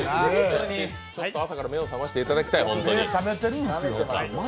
朝から目を覚ましていただきたい、皆さん。